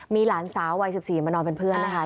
มีหลานสาววัย๑๔มานอนเป็นเพื่อนนะคะ